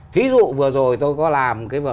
ví dụ vừa rồi tôi có làm